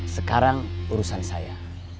sekarang urusan saya